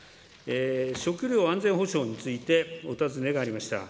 食料安全保障について、お尋ねがありました。